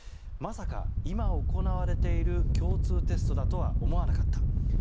まさか、今行われている共通テストだとは思わなかった。